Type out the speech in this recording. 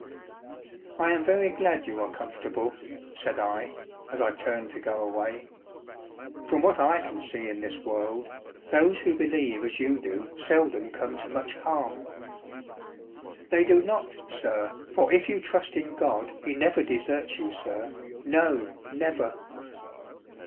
"I am very glad you are comfortable/' said. I, as I turned to go away. " From what I can see in this world, those who believe as you do seldom come to much harm." " They do not, sir, for if you trust in God he never deserts you, sir ; no never."